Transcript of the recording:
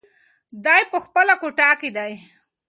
دی په خپله کوټه کې دی.